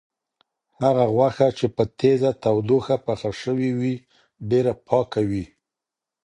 هغه غوښه چې په تیزه تودوخه پخه شوې وي، ډېره پاکه وي.